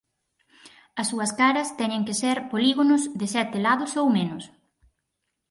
As súas caras teñen que ser polígonos de sete lados ou menos.